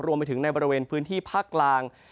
รวมไปถึงในบริเวณพื้นที่ภาคกลาง